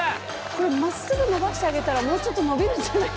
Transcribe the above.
これまっすぐ伸ばしてあげたらもうちょっと伸びるんじゃない？